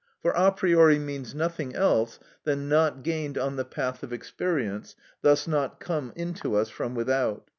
For a priori means nothing else than "not gained on the path of experience, thus not come into us from without."